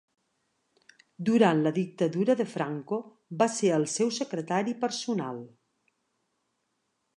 Durant la dictadura de Franco va ser el seu secretari personal.